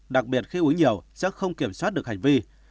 đặc biệt khi uống nhiều sẽ không kiểm soát được hành vi